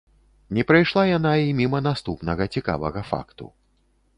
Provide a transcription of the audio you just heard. Не прайшла яна і міма наступнага цікавага факту.